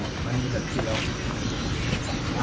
มันมีผิว